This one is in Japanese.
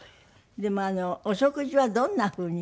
でもお食事はどんな風に？